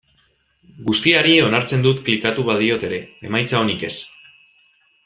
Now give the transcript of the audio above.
Guztiari onartzen dut klikatu badiot ere, emaitza onik ez.